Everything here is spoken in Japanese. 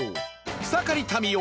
草刈民代